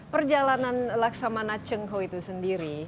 perjalanan laksamana cengkau itu sendiri